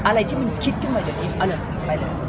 อะไรที่เรามาจัดเป็นเราเลยไปเลย